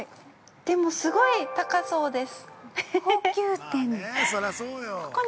でも、すごい高そうです。